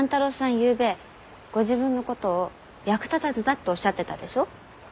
ゆうべご自分のことを役立たずだっておっしゃってたでしょ？